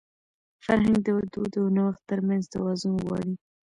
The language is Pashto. فرهنګ د دود او نوښت تر منځ توازن غواړي.